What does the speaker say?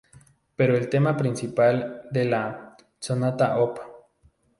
Pero el tema principal de la "sonata op.